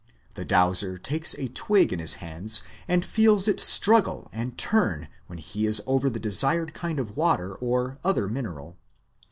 The dowser takes a twig in his hands and feels it struggle and turn when he is over the desired kind of water or other mineral.